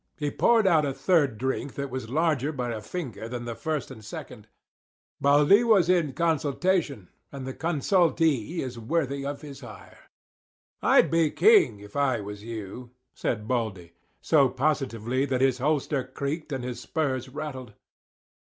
He poured out a third drink that was larger by a finger than the first and second. Baldy was in consultation; and the consultee is worthy of his hire. "I'd be king if I was you," said Baldy, so positively that his holster creaked and his spurs rattled.